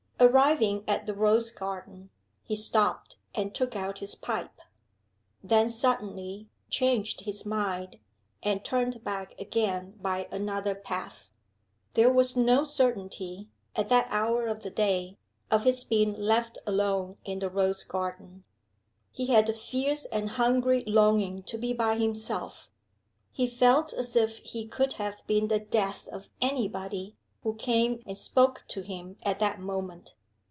Arriving at the rose garden, he stopped and took out his pipe; then suddenly changed his mind, and turned back again by another path. There was no certainty, at that hour of the day, of his being left alone in the rose garden. He had a fierce and hungry longing to be by himself; he felt as if he could have been the death of any body who came and spoke to him at that moment.